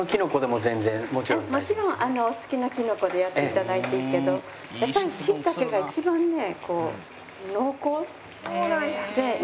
もちろんお好きなキノコでやって頂いていいけどやっぱり椎茸が一番ね濃厚。